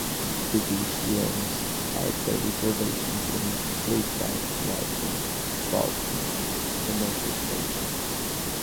Physicians at the reservation clinic believed that he had been brought in inebriated.